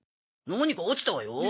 何か落ちたわよ。